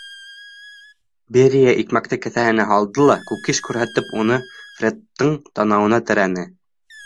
Берия икмәкте кеҫәһенә һалды ла, кукиш күрһәтеп, уны Фредтың танауына терәне: